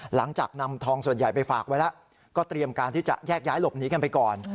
หลังจากนำทองส่วนใหญ่ไปฝากไว้แล้วก็เตรียมการที่จะแยกย้ายหลบหนีกันไปก่อน